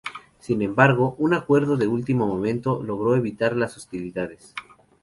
Sin embargo, un acuerdo de último momento logró evitar las hostilidades.